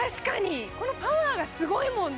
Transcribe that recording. このパワーがすごいもんね。